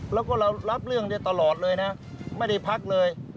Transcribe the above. แล้วก็เรารับเรื่องนี้ตลอดเลยนะไม่ได้พักเลย